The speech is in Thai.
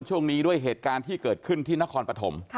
ช่วงนี้ด้วยเหตุการณ์ที่เกิดขึ้นที่นครปฐม